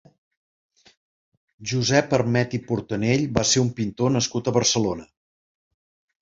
Josep Armet i Portanell va ser un pintor nascut a Barcelona.